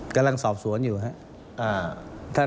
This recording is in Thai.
กำลังสอบสวนอยู่ครับ